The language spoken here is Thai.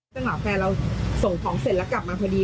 จังหวะแฟนเราส่งของเสร็จแล้วกลับมาพอดี